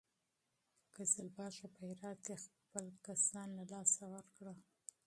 قزلباشو په هرات کې خپل نفوذ له لاسه ورکړ.